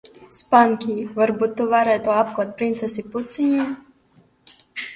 Spankij, varbūt tu varētu apkopt princesi Pūciņu?